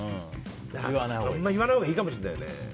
あまり言わないほうがいいかもしれないね。